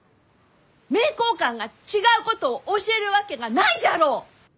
名教館が違うことを教えるわけがないじゃろう！